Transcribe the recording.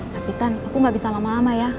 tapi kan aku gak bisa sama mama ya